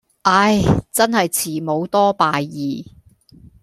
唉,真係慈母多敗兒